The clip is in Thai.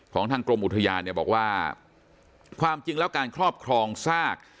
ทางกรมอุทยานเนี่ยบอกว่าความจริงแล้วการครอบครองซาก